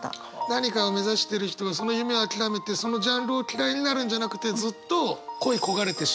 何かを目指してる人がその夢を諦めてそのジャンルを嫌いになるんじゃなくてずっと恋い焦がれてしまう。